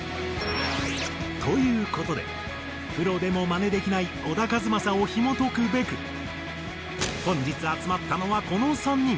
という事でプロでもマネできない小田和正をひもとくべく本日集まったのはこの３人。